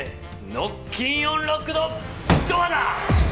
ノッキンオン・ロックドドアだ！